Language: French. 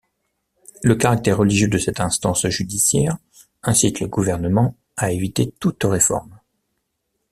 Le caractère religieux de cette instance judiciaire incite le gouvernement à éviter toute réforme.